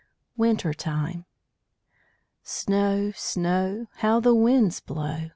WINTER TIME Snow, snow! How the winds blow.